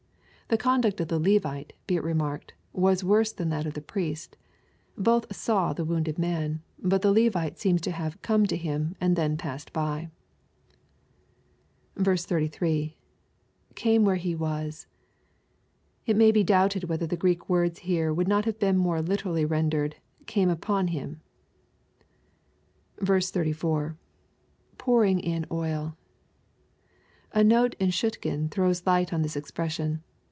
] The conduct of the Levite, be it remarked, was worse than that of the Priest Both " saw" the wounded man, but the Levite seems to have " come" to him, and then passed by. 33. — [Came where he was^ It may be doubted whether the Greek words here would not have been more literally rendered, " came unto him." 34. — [Pouring in oil] A note in Schoettgen throws light on this expression.